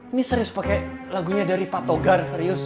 ini serius pake lagunya dari patogar serius